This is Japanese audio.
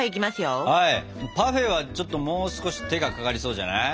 パフェはちょっともう少し手がかかりそうじゃない？